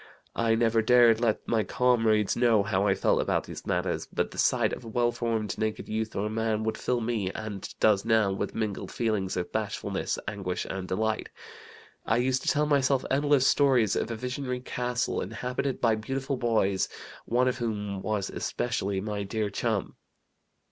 I never dared let my comrades know how I felt about these matters, but the sight of a well formed, naked youth or man would fill me (and does now) with mingled feelings of bashfulness, anguish, and delight. I used to tell myself endless stories of a visionary castle inhabited by beautiful boys, one of whom was especially my dear chum.